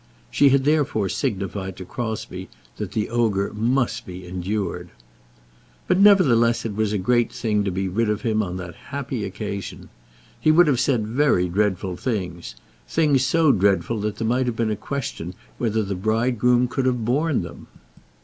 She had therefore signified to Crosbie that the ogre must be endured. But, nevertheless, it was a great thing to be rid of him on that happy occasion. He would have said very dreadful things, things so dreadful that there might have been a question whether the bridegroom could have borne them.